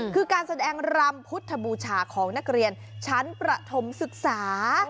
คือการแสดงรำพุทธบูชาของนักเรียนชั้นประถมศึกษา